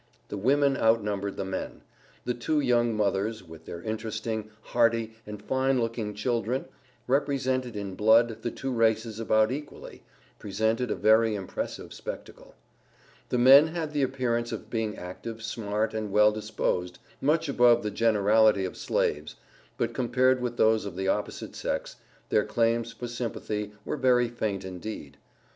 The women outnumbered the men. The two young mothers, with their interesting, hearty and fine looking children representing in blood the two races about equally presented a very impressive spectacle. The men had the appearance of being active, smart, and well disposed, much above the generality of slaves; but, compared with those of the opposite sex, their claims for sympathy were very faint indeed.